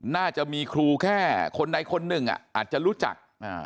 น่าจะมีครูแค่คนใดคนหนึ่งอาจจะรู้จัก